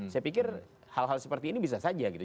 saya pikir hal hal seperti ini bisa saja gitu